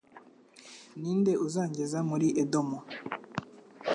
Ni nde uzangeza muri Edomu?